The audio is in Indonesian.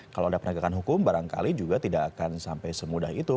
kalau ada penegakan hukum barangkali juga tidak akan sampai semudah itu